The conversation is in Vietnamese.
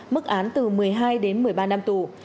mức án từ một mươi hai đến một mươi ba năm tù